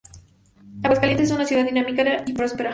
Aguascalientes es una ciudad dinámica y próspera.